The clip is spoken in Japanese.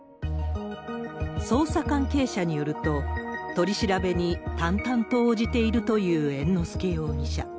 捜査関係者によると、取り調べに淡々と応じているという猿之助容疑者。